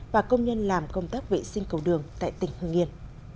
và công nhân làm công tác vệ sinh cầu đường tại tỉnh hương yên